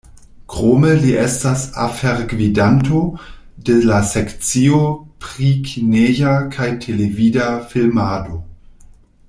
Krome li estas afergvidanto de la sekcio pri kineja kaj televida filmado.